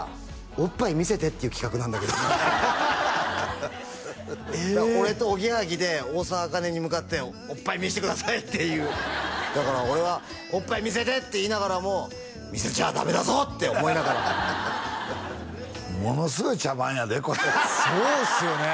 「おっぱい見せてっていう企画なんだけど」って俺とおぎやはぎで大沢あかねに向かって「おっぱい見せてください」って言うだから俺は「おっぱい見せて」って言いながらも「見せちゃダメだぞ」って思いながらものすごい茶番やでこれそうですよね